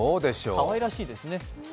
かわいらしいですね。